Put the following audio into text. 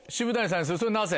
それはなぜ？